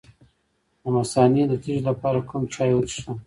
د مثانې د تیږې لپاره کوم چای وڅښم؟